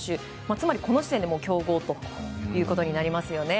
つまり、この時点で競合ということになりますよね。